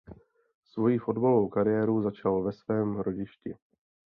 Svoji fotbalovou kariéru začal ve svém rodišti.